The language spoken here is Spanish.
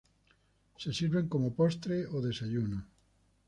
Se sirven como postre o desayuno.